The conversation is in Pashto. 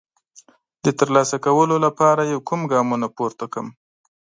د ترلاسه کولو لپاره یې کوم ګامونه پورته کړم؟